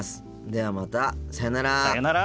ではまたさようなら。